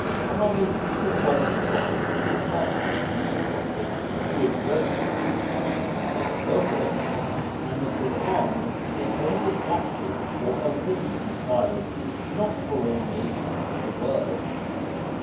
Muḥammad was one of the prophets, not the prophet (who is virtually = the Logos), and the Ḳur'an is only adapted for Arabian tribes, not for all nations of the world.